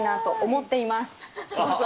思っています。